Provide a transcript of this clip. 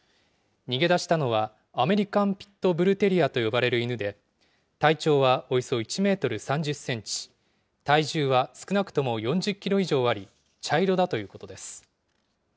逃げ出したのは、アメリカン・ピット・ブル・テリアと呼ばれる犬で、体長はおよそ１メートル３０センチ、体重は少なくとも４０キロ以上あり、茶色だということです。